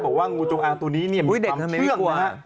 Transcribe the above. บอกว่างูจงอ้างตัวนี้เนี่ยมีความเชื่องนะ